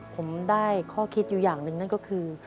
ผมได้ข้อคิดอยู่อย่างหนึ่งนั่นก็คือ